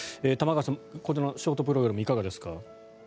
玉川さん、ショートプログラムいかがですか。